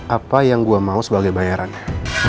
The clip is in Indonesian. apa yang gue mau sebagai bayarannya